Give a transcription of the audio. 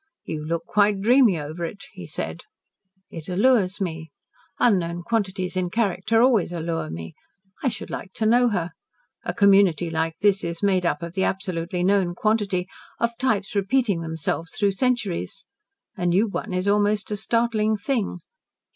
"You look quite dreamy over it," he said. "It allures me. Unknown quantities in character always allure me. I should like to know her. A community like this is made up of the absolutely known quantity of types repeating themselves through centuries. A new one is almost a startling thing.